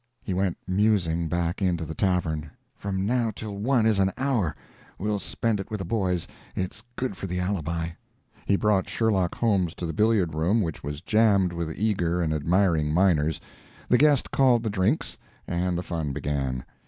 He went musing back into the tavern. "From now till one is an hour. We'll spend it with the boys; it's good for the alibi." He brought Sherlock Holmes to the billiard room, which was jammed with eager and admiring miners; the guest called the drinks, and the fun began.